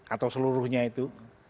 atau seluruhnya itu